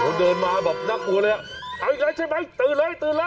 โอ้โหโฮเดินมาแบบน่ากลัวเลยเอาอย่างงี้ใช่ไหมตื่นเลยตื่นเลย